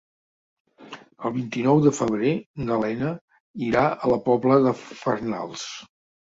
El vint-i-nou de febrer na Lena irà a la Pobla de Farnals.